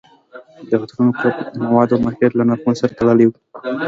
د عطرونو فرق د موادو او مارکیټ له نرخونو سره تړلی وي